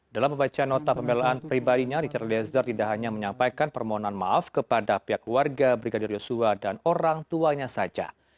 dalam membaca nota pembelaan pribadinya richard eliezer tidak hanya menyampaikan permohonan maaf kepada pihak keluarga brigadir yosua dan orang tuanya saja